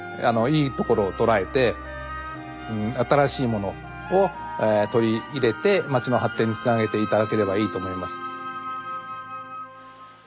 いいところを捉えて新しいものを取り入れて街の発展につなげて頂ければいいと思います。